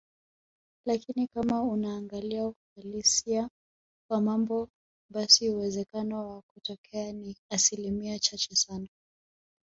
lakini kama unaangalia uhalisia wa mambo basi uwezekano wa kutokea ni asilimia chache sana